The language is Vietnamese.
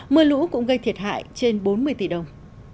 mưa lũ cũng gây thiệt hại trên bốn mươi tỷ đồng